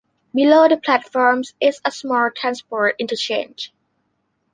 Below the platforms is a small transport interchange.